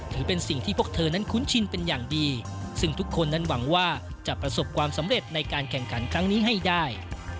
ถือเป็นสิ่งที่พวกเธอนั้นคุ้นชินเป็นอย่างดีซึ่งทุกคนนั้นหวังว่าจะประสบความสำเร็จในการแข่งขันครั้งนี้ให้ได้